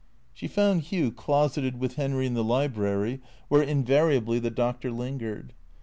She found Hugh closeted with Henry in the library where invariably the doctor lingered.